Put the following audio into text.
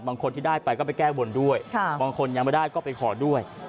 บางคนที่ได้ไปก็ไปแก้บนด้วยบางคนยังไม่ได้ก็ไปขอด้วย